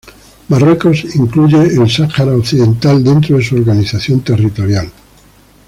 Marruecos incluye el Sahara Occidental dentro de su organización territorial.